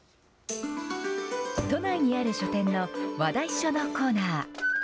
都内にある書店の話題書のコーナー。